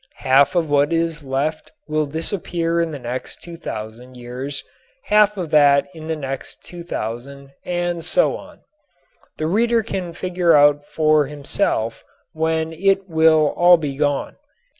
Half of what is left will disappear in the next 2000 years, half of that in the next 2000 and so on. The reader can figure out for himself when it will all be gone.